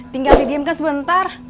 tinggal didiemkan sebentar